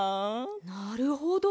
なるほど。